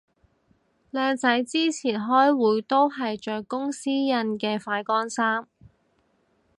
靚仔之前開會都係着公司印嘅快乾衫